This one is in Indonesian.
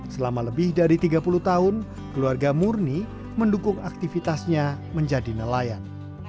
selama lebih dari tiga puluh tahun keluarga murni mendukung aktivitasnya menjadi nelayan